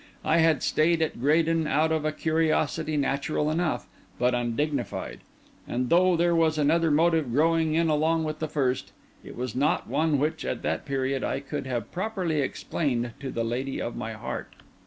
I had stayed at Graden out of a curiosity natural enough, but undignified; and though there was another motive growing in along with the first, it was not one which, at that period, I could have properly explained to the lady of my heart.